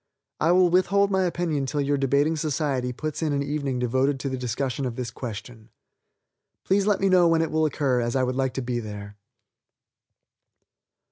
I will withhold my opinion till your debating society puts in an evening devoted to the discussion of this question. Please let me know when it will occur, as I would like to be there.